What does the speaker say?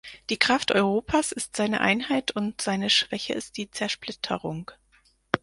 Die Kraft Europas ist seine Einheit, und seine Schwäche ist die Zersplitterung.